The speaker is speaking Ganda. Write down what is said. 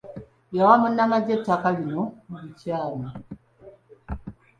Yawa munnamagye ettaka lino mu bukyamu.